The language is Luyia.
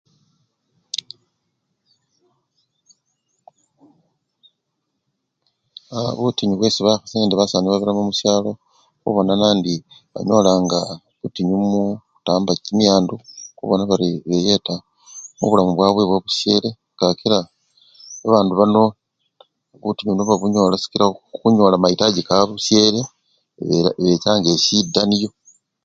Aaa butinyu bwesi bakhasi nende basani babiramo khusyalo , mbona nandi banyolanga butinyu khutamba kimywandu khubona bari beyeta mubulamu bwabwe bwabushele kakila babandu bano butinyu buno babunyola sikila khunyola mayitaji kabusyele ela! ebechanga eshida niyo.